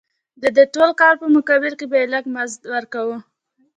د دې ټول کار په مقابل کې به یې لږ مزد ورکاوه